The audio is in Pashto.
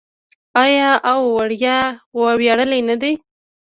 آیا او ویاړلې نه ده؟